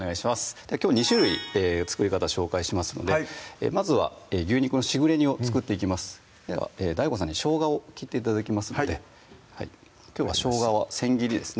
２種類作り方紹介しますのでまずは牛肉のしぐれ煮を作っていきますではＤＡＩＧＯさんにしょうがを切って頂きますのできょうはしょうがはせん切りです